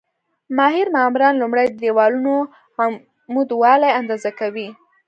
ماهر معماران لومړی د دېوالونو عمودوالی اندازه کوي.